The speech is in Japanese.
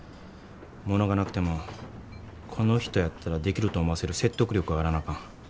物がなくてもこの人やったらできると思わせる説得力があらなあかん。